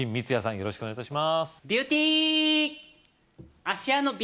よろしくお願いします